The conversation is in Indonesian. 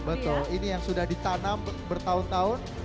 betul ini yang sudah ditanam bertahun tahun